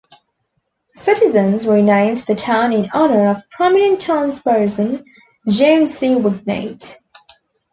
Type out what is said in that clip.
Citizens renamed the town in honor of prominent townsperson, John C. Wingate.